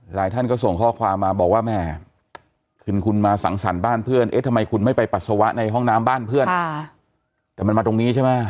ท่านก็ส่งข้อความมาบอกว่าแม่คือคุณมาสังสรรค์บ้านเพื่อนเอ๊ะทำไมคุณไม่ไปปัสสาวะในห้องน้ำบ้านเพื่อนแต่มันมาตรงนี้ใช่ไหม